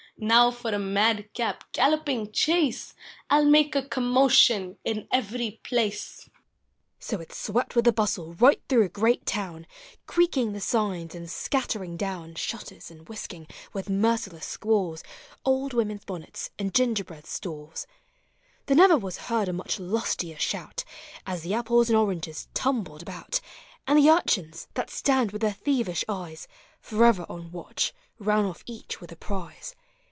Now for a mad cap galloping chase! I '11 make a commotion in every [dace! " So it swept with a bustle right through a great town, Creaking the signs, and scattering down Shutters; and whisking, with merciless squalls, Old women's bonnets and gingerbread stalls: There never was heard a much lustier shout, As the apples and oranges tumbled about; And the urchins, that stand with their thievish eves Forever on watch, ran off each with a prize.